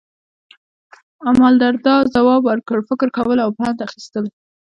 امالدرداء ځواب ورکړ، فکر کول او پند اخیستل.